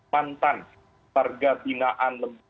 pantan perga binaan